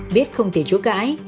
biết không thể chúa cãi